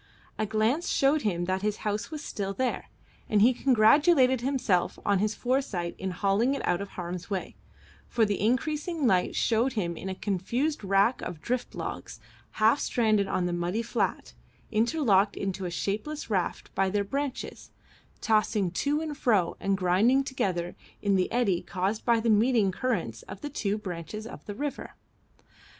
A glance showed him that his house was still there, and he congratulated himself on his foresight in hauling it out of harm's way, for the increasing light showed him a confused wrack of drift logs, half stranded on the muddy flat, interlocked into a shapeless raft by their branches, tossing to and fro and grinding together in the eddy caused by the meeting currents of the two branches of the river.